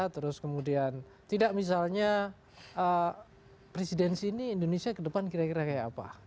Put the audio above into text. tidak misalnya presidensi ini indonesia kedepan kira kira kayak apa